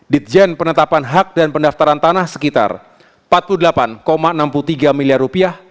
ditjen penetapan hak dan pendaftaran tanah sekitar rp empat puluh delapan enam puluh tiga miliar rupiah